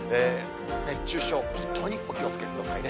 熱中症、本当にお気をつけくださいね。